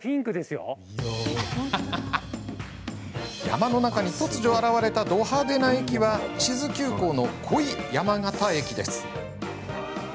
山の中に突如、現れたど派手な駅は智頭急行の恋山形駅です。